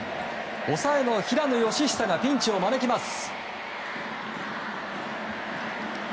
抑えの平野佳寿がピンチを招きます。